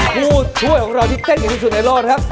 ผู้ช่วยของเราที่เต้นอย่างที่สุดในโลกนะครับ